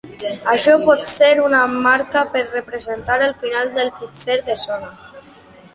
Això pot ser una marca per representar el final del fitxer de zona.